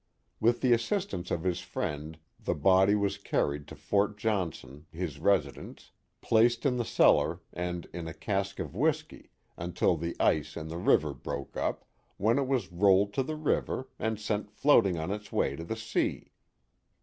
With the assistance of his friend the body was carried to Fort Johnson, his residence, placed in the cellar and in a cask of whiskey until the ice in the river broke up, when it was rolled to the river and sent floating on its way to the sea.